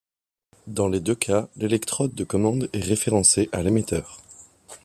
Dans les deux cas, l'électrode de commande est référencée à l'émetteur.